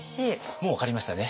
もう分かりましたね。